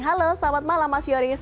halo selamat malam mas yoris